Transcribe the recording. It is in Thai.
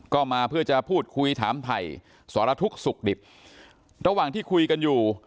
ก็มาเพื่อจะพูดคุยถามไผ่สรทุกข์สุขดิบระหว่างที่คุยกันอยู่